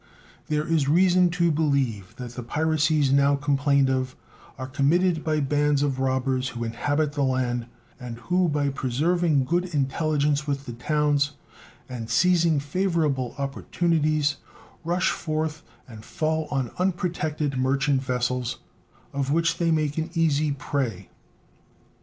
There is reason to believe that the piracies now complained of are committed by bands of robbers who inhabit the land, and who, by preserving good intelligence with the towns and seizing favorable opportunities, rush forth and fall on unprotected merchant vessels, of which they make an easy prey.